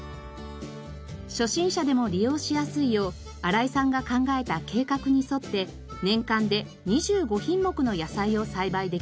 初心者でも利用しやすいよう荒井さんが考えた計画に沿って年間で２５品目の野菜を栽培できます。